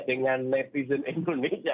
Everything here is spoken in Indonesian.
dengan netizen indonesia